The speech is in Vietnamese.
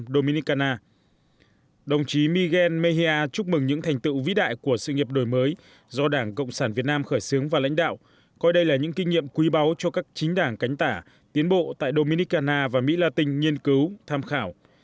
đồng chí miguel mejia chúc mừng những thành tựu vĩ đại của sự nghiệp đổi mới do đảng cộng sản việt nam khởi xướng và lãnh đạo coi đây là những kinh nghiệm quý báu cho các chính đảng cánh tả tiến bộ tại dominicana và mỹ latin nghiên cứu tham khảo